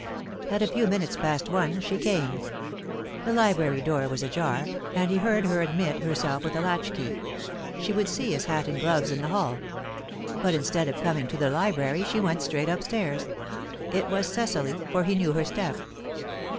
At a few minutes past one she came. The library door was ajar, and he heard her admit herself with a latch key; she would see his hat and gloves in the hall. But instead of coming to the library she went straight upstairs; it was Cecily, for he knew her step.